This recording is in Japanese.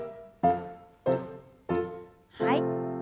はい。